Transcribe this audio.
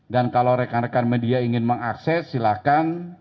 dan kalau rekan rekan media ingin mengakses silakan